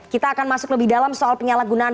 kita akan masuk lebih dalam soal penyalahgunaan